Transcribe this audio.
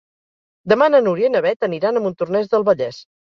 Demà na Núria i na Beth aniran a Montornès del Vallès.